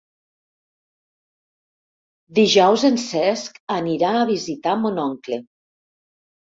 Dijous en Cesc anirà a visitar mon oncle.